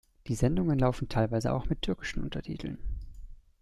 Die Sendungen laufen teilweise auch mit türkischen Untertiteln.